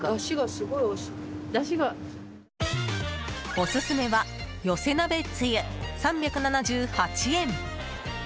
オススメは寄せ鍋つゆ、３７８円。